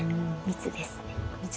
密ですね。